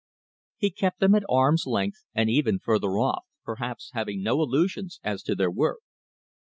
He kept them at arm's length and even further off, perhaps, having no illusions as to their worth.